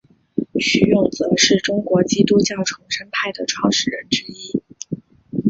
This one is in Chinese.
徐永泽是中国基督教重生派的创始人之一。